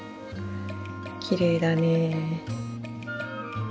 きれいだね。